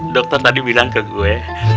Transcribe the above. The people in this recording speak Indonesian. dokter tadi bilang ke gue